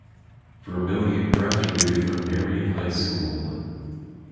Vermilion graduated from Marion High School.